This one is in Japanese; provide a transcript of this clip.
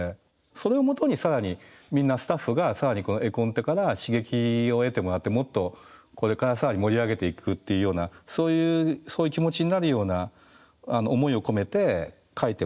それをもとに更にみんなスタッフが更にこの絵コンテから刺激を得てもらってもっとこれから更に盛り上げていくっていうようなそういう気持ちになるような思いを込めて描いてますね。